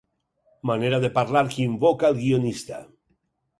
Manera de parlar que invoca el guionista.